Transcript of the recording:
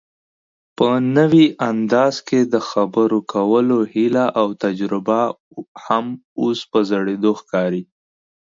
په نوي انداز کې دخبرو کولو هيله اوتجربه هم اوس په زړېدو ښکاري